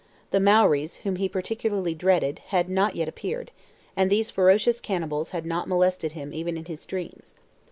The Maories, whom he particularly dreaded, had not yet appeared, and these ferocious cannibals had not molested him even in his dreams.